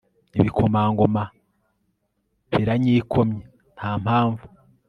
ibikomangoma biranyikomye nta mpamvu